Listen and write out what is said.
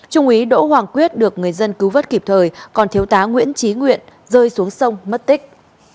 trung úy đỗ hoàng quyết được người dân cứu vất kịp thời còn thiếu tá nguyễn trí nguyện rơi xuống sông mất tích